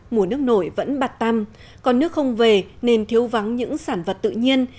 mùa nước nổi vẫn bạt tăm còn nước không về nên thiếu vắng những sản vật tự nhiên